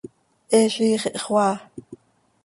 He ziix ihxoaa.